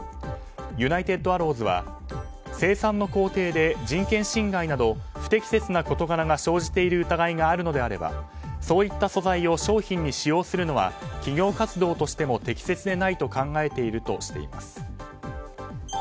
ユナイテッドアローズは生産の工程で人権侵害など不適切な事柄が生じている疑いがあるのであればそういった素材を商品に使用するのは企業活動としても適切でないと考えているとしています。